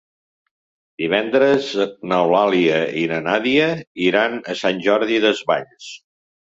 Divendres n'Eulàlia i na Nàdia iran a Sant Jordi Desvalls.